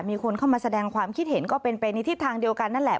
มีคนเข้ามาแสดงความคิดเห็นก็เป็นไปในทิศทางเดียวกันนั่นแหละ